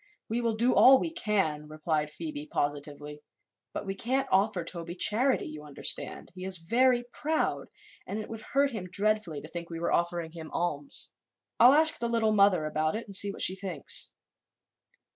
"We will do all we can," replied Phoebe, positively, "but we can't offer Toby charity, you understand. He is very proud and it would hurt him dreadfully to think we were offering him alms. I'll ask the Little Mother about it and see what she thinks."